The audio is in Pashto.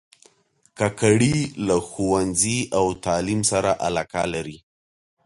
کاکړي له ښوونځي او تعلیم سره علاقه لري.